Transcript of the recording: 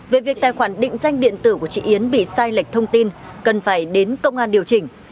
về việc tài khoản định danh điện tử của chị yến bị sai lệch thông tin cần phải đến công an điều chỉnh